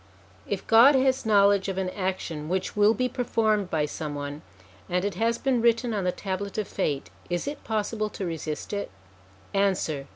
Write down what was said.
If God has knowledge of an action which will be performed by some one, and it has been written on the Tablet of Fate, is it possible to resist it ? Answer.